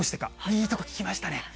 いいこと聞きましたね。